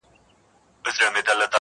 شکر وباسمه خدای ته په سجده سم,